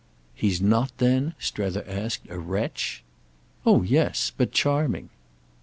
"He's not then," Strether asked, "a wretch?" "Oh yes. But charming."